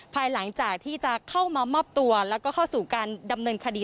ภายหลังจากที่จะเข้ามามอบตัวแล้วก็เข้าสู่การดำเนินคดี